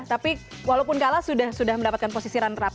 tapi walaupun kalah sudah mendapatkan posisi runner up